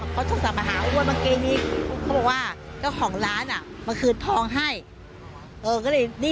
พ่อต้องตัดมาหาเมืองมากรีต